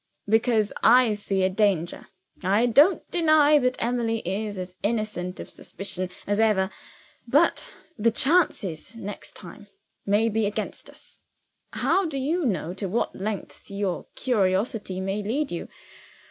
"Because I see a danger. I don't deny that Emily is as innocent of suspicion as ever. But the chances, next time, may be against us. How do you know to what lengths your curiosity may lead you?